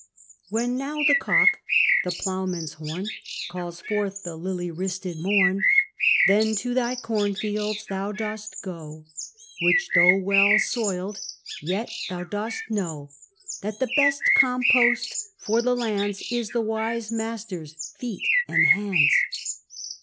When now the cock (the ploughman's horn) Calls forth the lily wristed morn; Then to thy corn fields thou dost go, Which though well soil'd, yet thou dost know That the best compost for the lands Is the wise master's feet, and hands.